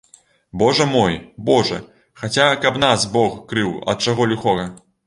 Божа мой, божа, хаця каб нас бог крыў ад чаго ліхога.